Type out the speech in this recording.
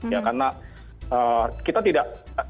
ya karena kita tidak tidak bisa bilang